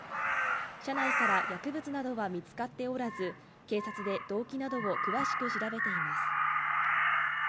車内から薬物などは見つかっておらず、警察で動機などを詳しく調べています。